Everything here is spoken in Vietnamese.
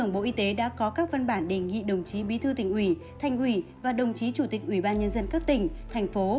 bộ y tế đã có các văn bản đề nghị đồng chí bí thư tỉnh ủy thành ủy và đồng chí chủ tịch ủy ban nhân dân các tỉnh thành phố